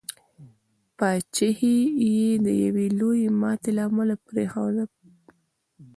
پاچهي یې د یوي لويي ماتي له امله پرېښودله.